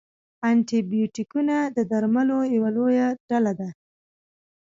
انټي بیوټیکونه د درملو یوه لویه ډله ده.